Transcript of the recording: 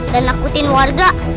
dan nakutin warga